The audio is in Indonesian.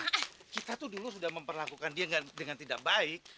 karena kita tuh dulu sudah memperlakukan dia dengan tidak baik